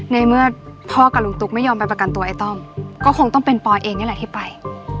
ในเมื่อพ่อกับลุงตุ๊กไม่ยอมไปประกันตัวไอ้ต้อมก็คงต้องเป็นปอยเองนี่แหละที่ไป